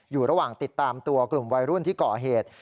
อยู่ระหว่างติดตามตัวกลุ่มวัยรุ่นที่ก่อเหตุ